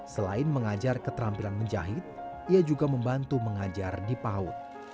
selain mengajar keterampilan menjahit ia juga membantu mengajar di paut